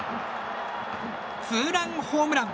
ツーランホームラン！